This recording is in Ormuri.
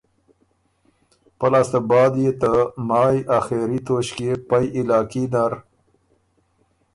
پۀ لاسته بعد يې ته مایٛ آخېري توݭکيې پئ علاقي نر